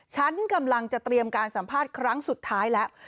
ฉันกำลังจะเตรียมการสัมภาษณ์ครั้งสุดท้ายแล้ว